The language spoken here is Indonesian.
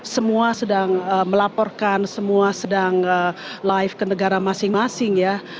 semua sedang melaporkan semua sedang live ke negara masing masing ya